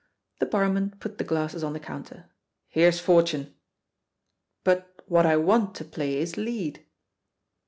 The barman put tie glasses on the counter. "Here's fortune 1" "But what I want to play is lead."